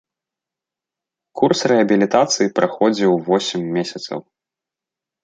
Курс рэабілітацыі праходзіў восем месяцаў.